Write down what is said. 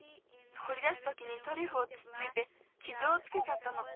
ほりだすときにトリュフをつっついてきずをつけちゃったの。